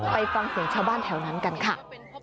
ไปฟังเสียงชาวบ้านแถวนั้นกันค่ะ